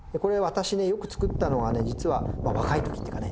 私ねよく作ったのはね実はまあ若い時っていうかね